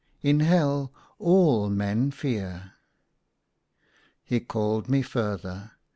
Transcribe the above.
In Hell all men fear." He called me further.